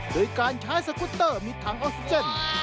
โดยการใช้สกุตเตอร์มีถังออกซิเจน